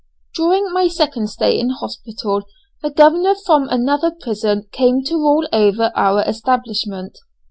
During my second stay in hospital the governor from another prison came to rule over our establishment.